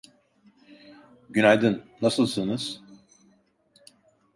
Günaydın, nasılsınız?